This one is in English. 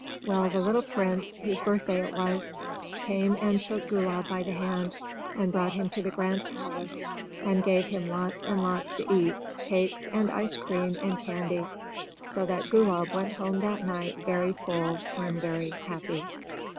Well, the little Prince, whose birthday it was, came and took Gulab by the hand, and brought him to the grand palace, and gave him lots and lots to eat cakes and ice cream and candy so that Gulab went home that night very full and very happy.